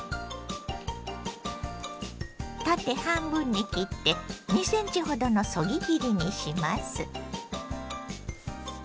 縦半分に切って２ｃｍほどのそぎ切りにします。